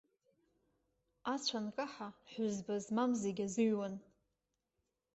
Ацә анкаҳа, ҳәызба змаз зегьы азыҩуан.